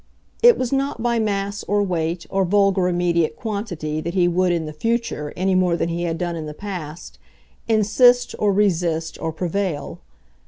It was not by mass or weight or vulgar immediate quantity that he would in the future, any more than he had done in the past, insist or resist or prevail.